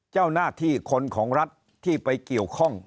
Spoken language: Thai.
เจ้าหน้าที่คนของรัฐที่ไปเกี่ยวข้อง